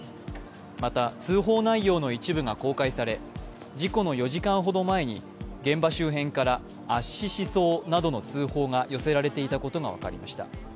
また、通報内容の一部が公開され、事故の４時間ほど前に現場周辺から圧死しそうなどの通報が寄せられていたことが分かりました。